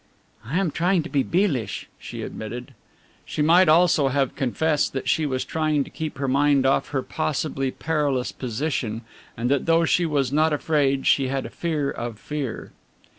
"I am trying to be Bealish," she admitted. She might also have confessed that she was trying to keep her mind off her possibly perilous position and that though she was not afraid she had a fear of fear.